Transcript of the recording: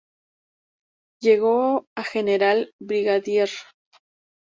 Llegó a general brigadier.